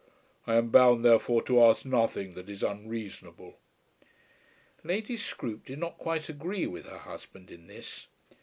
I am bound therefore to ask nothing that is unreasonable." Lady Scroope did not quite agree with her husband in this.